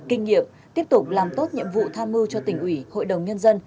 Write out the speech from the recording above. kinh nghiệm tiếp tục làm tốt nhiệm vụ tham mưu cho tỉnh ủy hội đồng nhân dân